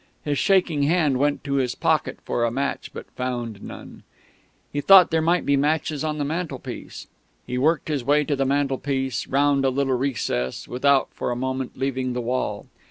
His shaking hand went to his pocket for a match, but found none. He thought there might be matches on the mantelpiece He worked his way to the mantelpiece round a little recess, without for a moment leaving the wall.